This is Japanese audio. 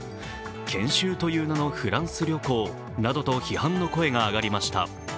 研修という名のフランス旅行などと批判の声が上がりました。